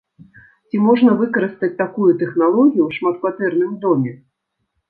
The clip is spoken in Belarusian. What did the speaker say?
Ці можна выкарыстаць такую тэхналогію ў шматкватэрным доме?